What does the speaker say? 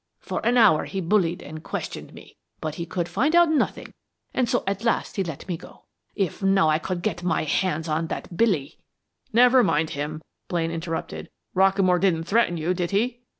For an hour he bullied and questioned me, but he could find out nothing and so at last he let me go. If now I could get my hands on that Billy " "Never mind him," Blaine interrupted. "Rockamore didn't threaten you, did he?"